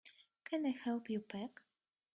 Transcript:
Can I help you pack?